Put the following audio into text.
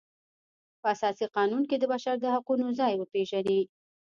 په اساسي قانون کې د بشر د حقونو ځای وپیژني.